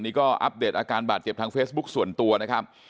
นี่ก็อัปเดตอาการบาดเจ็บทางเฟซบุ๊คส่วนตัวนะครับ